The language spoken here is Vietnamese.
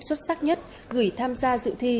xuất sắc nhất gửi tham gia dự thi